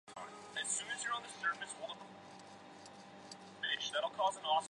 东北地区拥有众多中国知名的冬季旅游目的地。